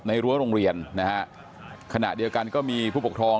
ในรั้วโรงเรียนขณะเดียวกันก็มีผู้ปกทอง